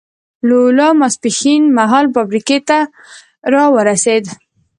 لولا ماسپښین مهال فابریکې ته را ورسېد.